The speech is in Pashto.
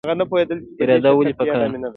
اراده ولې پکار ده؟